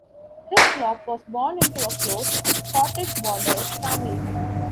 Hislop was born into a close, Scottish Borders family.